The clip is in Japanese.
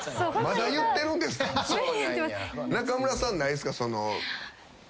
中村さんないんすか？